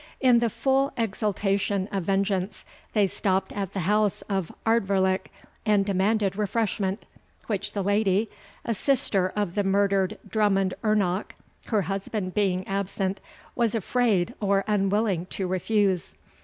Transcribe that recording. In the full exultation of vengeance, they stopped at the house of Ardvoirlich and demanded refreshment, which the lady, a sister of the murdered Drummond ernoch (her husband being absent), was afraid or unwilling to refuse.